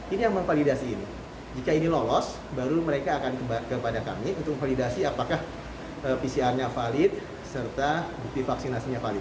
ini yang memvalidasi ini jika ini lolos baru mereka akan kepada kami untuk validasi apakah pcr nya valid serta bukti vaksinasinya valid